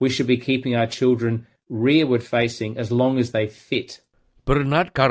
supaya mereka masih bisa terpapar